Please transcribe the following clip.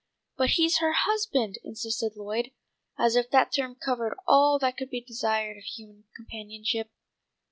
"But he's her husband!" insisted Lloyd, as if that term covered all that could be desired of human companionship.